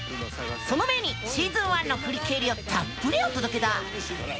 その前にシーズン１の振り返りをたっぷりお届けだ！